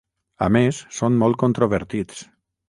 A més, són molt controvertits.